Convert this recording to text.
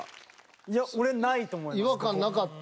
いや俺ないと思いました。